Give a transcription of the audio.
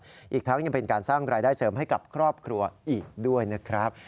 อีกทั้งยังเป็นการสร้างรายได้เสริมให้กับครอบครัวอีกด้วยนะครับ